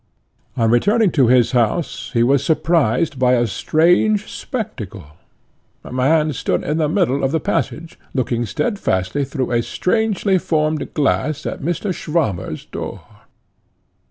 On returning to his house he was surprised by a strange spectacle. A man stood in the middle of the passage, looking steadfastly through a strangely formed glass at Mr. Swammer's door.